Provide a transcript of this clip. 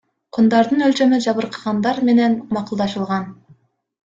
Кундардын өлчөмү жабыркагандар менен макулдашылган.